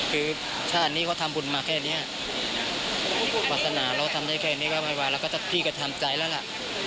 คือถ้าอันนี้เขาทำบุญมาแค่นี้ปรัฐนาเราทำได้แค่นี้ก็ไม่ไหวแล้วก็พี่ก็ทำใจแล้วล่ะ